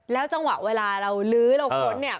จังหวะเวลาเราลื้อเราค้นเนี่ย